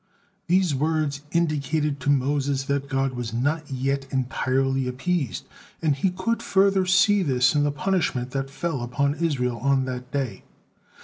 These words indicated to Moses that God was not yet entirely appeased, and he could further see this in the punishment that fell upon Israel on that day.